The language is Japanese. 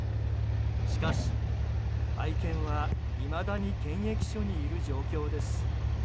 しかし、愛犬はいまだに検疫所にいる状況です。